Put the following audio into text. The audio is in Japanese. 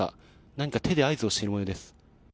何か手で合図をしている模様です。